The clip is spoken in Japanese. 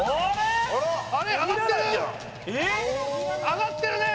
上がってるね！